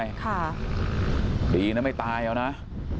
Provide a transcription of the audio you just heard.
สุดท้ายเนี่ยขี่รถหน้าที่ก็ไม่ยอมหยุดนะฮะ